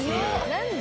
何で？